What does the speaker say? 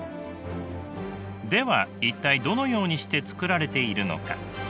では一体どのようにして作られているのか？